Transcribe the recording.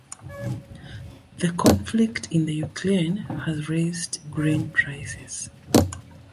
The conflict in the Ukraine has raised grain prices.